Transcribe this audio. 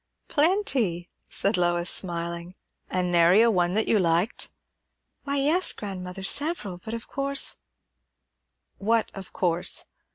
"Plenty!" said Lois, smiling. "An' nary one that you liked?" "Why, yes, grandmother; several; but of course " "What of course?"